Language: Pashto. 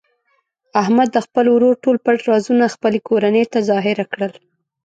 احمد د خپل ورور ټول پټ رازونه خپلې کورنۍ ته ظاهره کړل.